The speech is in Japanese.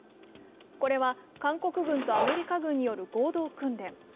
これは韓国軍とアメリカ軍による合同訓練。